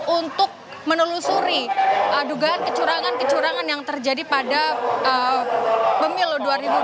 untuk menelusuri dugaan kecurangan kecurangan yang terjadi pada pemilu dua ribu dua puluh